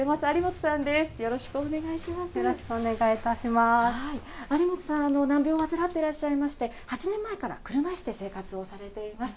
有本さん、難病を患っていらっしゃいまして、８年前から車いすで生活をされています。